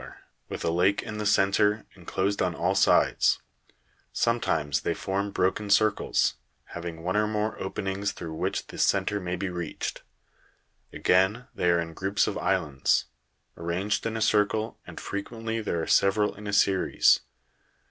224), with a lake in the centre, enclosed on all sides ; some times they form broken circles, having one or more openings through which the centre may be reached ; again, they are in groups of islands, arranged in a circle, and frequently there are several in a series.